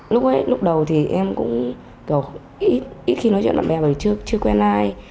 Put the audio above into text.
lúc ấy lúc đầu thì em cũng ít khi nói chuyện bạn bè bởi vì chưa quen ai